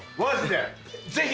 ぜひ。